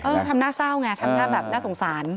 ทำหน้าเศร้าไงทำหน้าแบบน่าสงสาร